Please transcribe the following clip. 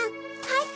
はい！